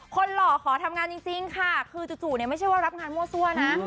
หล่อขอทำงานจริงค่ะคือจู่เนี่ยไม่ใช่ว่ารับงานมั่วซั่วนะ